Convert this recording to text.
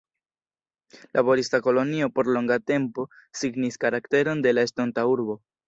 Laborista kolonio por longa tempo signis karakteron de la estonta urbo.